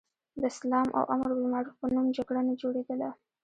د اسلام او امر بالمعروف په نوم جګړه نه جوړېدله.